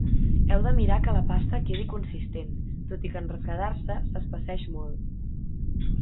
Heu de mirar que la pasta quedi consistent, tot i que en refredar-se s'espesseeix molt.